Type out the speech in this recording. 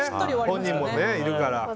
本人もいるから。